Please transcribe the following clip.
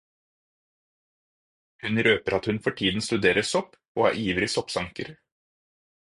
Hun røper at hun for tiden studerer sopp og er en ivrig soppsanker.